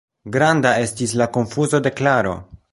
Granda estis la konfuzo de Klaro.